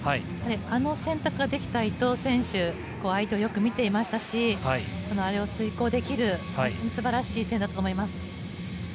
あの選択ができた伊藤選手相手をよく見ていましたしあれを遂行できる本当に素晴らしい１点だったと思います。